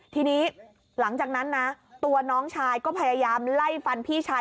ทีนี้หลังจากนั้นนะตัวน้องชายก็พยายามไล่ฟันพี่ชาย